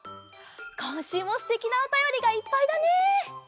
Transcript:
こんしゅうもすてきなおたよりがいっぱいだね！